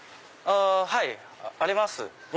はいあります。